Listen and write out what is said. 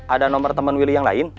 ada nomor teman willy yang lain